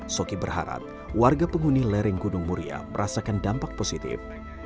soki berharap warga penghuni lereng gunung muria merasakan dampak positif